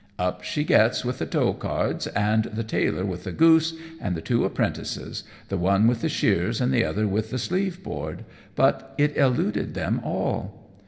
Up she gets with the tow cards, and the tailor with the goose, and the two apprentices: the one with the shears and the other with the sleeve board, but it eluded them all.